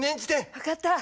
分かった。